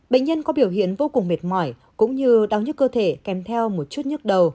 bệnh nhân có biểu hiện vô cùng mệt mỏi cũng như đau nhất cơ thể kèm theo một chút nhức đầu